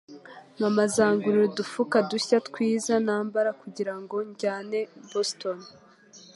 Mama azangurira udufuka dushya twiza nambara kugirango njyane Boston.